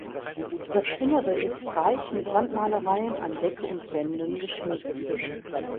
Das Innere ist reich mit Wandmalereien an Decke und Wänden geschmückt.